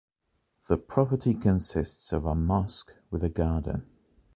The property consists of a mosque with a garden.